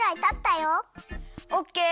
オッケー！